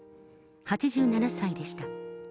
８７歳でした。